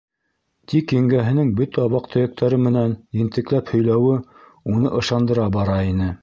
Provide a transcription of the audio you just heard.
Тик еңгәһенең бөтә ваҡ-төйәктәре менән ентекләп һөйләүе уны ышандыра бара ине.